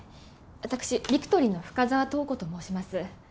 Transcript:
私ビクトリーの深沢塔子と申します